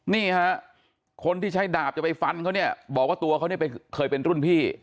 นี่ฮะคนที่ใช้ดาบจะไปฟันเขาเนี่ยบอกว่าตัวเขาเนี่ยเคยเป็นรุ่นพี่